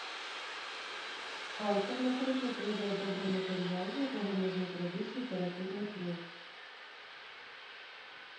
Аўтар, напрыклад, ведае добра матэрыял, з якога можна зрабіць літаратурны твор.